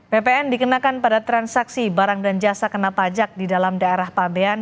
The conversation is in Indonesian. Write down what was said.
ppn dikenakan pada transaksi barang dan jasa kena pajak di dalam daerah pabean